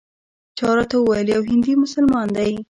چا راته وویل یو هندي مسلمان دی.